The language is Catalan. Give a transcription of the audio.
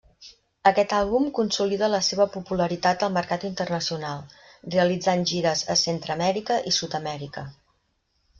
Aquest àlbum consolida la seva popularitat al mercat internacional, realitzant gires a Centreamèrica i Sud-amèrica.